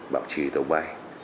bảo trì tàu bay